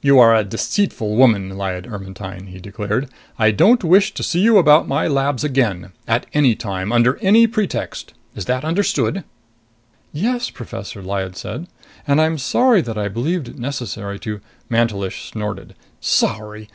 "You are a deceitful woman, Lyad Ermetyne!" he declared. "I don't wish to see you about my labs again! At any time. Under any pretext. Is that understood?" "Yes, Professor," Lyad said. "And I'm sorry that I believed it necessary to " Mantelish snorted. "Sorry!